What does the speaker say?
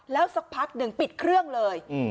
แล้วสักพักหนึ่งปิดเครื่องเลย